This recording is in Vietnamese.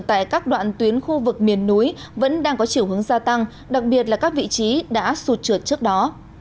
tại các đoạn tuyến khu vực miền núi vẫn đang có chiều hướng gia tăng đặc biệt là các vị trí đã sụt trượt trước đó